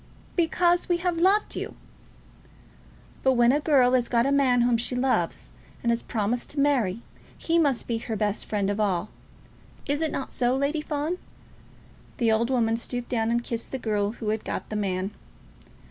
"Because we have loved you." "But when a girl has got a man whom she loves, and has promised to marry, he must be her best friend of all. Is it not so, Lady Fawn?" The old woman stooped down and kissed the girl who had got the man.